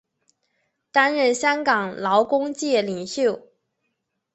担任香港劳工界领袖。